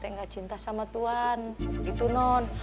nggak cinta sama tuhan